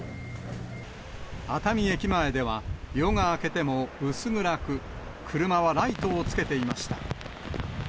熱海駅前では、夜が明けても薄暗く、車はライトをつけていました。